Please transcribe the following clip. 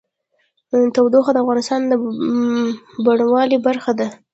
تودوخه د افغانستان د بڼوالۍ برخه ده.